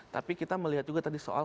tapi kita melihat juga tadi soal